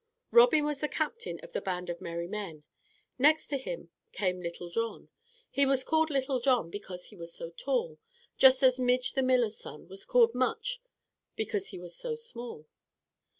Robin was captain of the band of Merry Men. Next to him came Little John. He was called Little John because he was so tall, just as Midge the miller's son was called Much because he was so small.